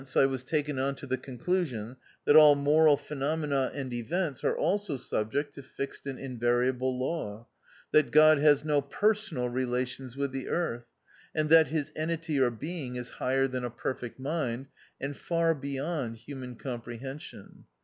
I was taken on to the conclusion that all moral phenomena and events are also sub ject to fixed and invariable law ; that God has no personal relations with the earth; and that his entity or being is higher than a perfect mind, and far beyond human com prehension.